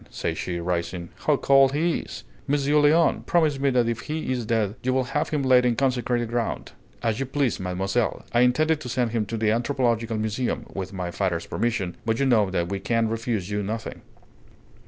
said she, rising. "How cold he is! Monsieur Léon, promise me that if he is dead you will have him laid in consecrated ground!" "As you please, mademoiselle. I intended to send him to the anthropological museum, with my father's permission; but you know that we can refuse you nothing."